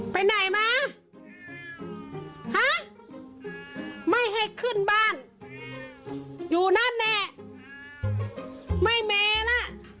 ไปไหนมาฮะไม่ให้ขึ้นบ้านอยู่นั่นแน่ไม่มีน่ะ